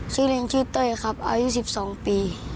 ชื่อเล่นชื่อเต้ยครับอายุ๑๒ปี